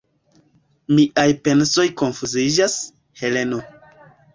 Miaj pensoj konfuziĝas, Heleno.